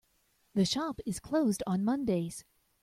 The shop is closed on Mondays.